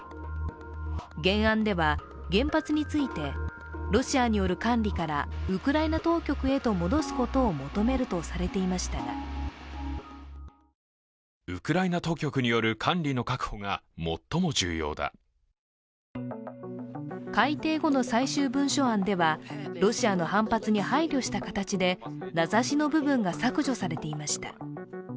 原案では、原発についてロシアによる管理からウクライナ当局へと戻すことを求めるとされていましたが改定後の最終文書案では、ロシアの反発に配慮した形で名指しの部分が削除されていました。